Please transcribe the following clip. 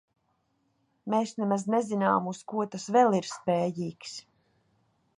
Mēs nemaz nezinām, uz ko tas vēl ir spējīgs.